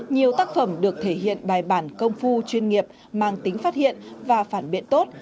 nhiều tác phẩm được thể hiện bài bản công phu chuyên nghiệp mang tính phát hiện và phản biện tốt